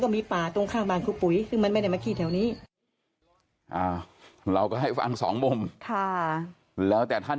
แบบไหน